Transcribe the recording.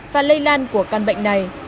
và lây lan của bệnh